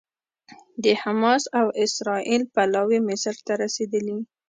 د حماس او اسرائیل پلاوي مصر ته رسېدلي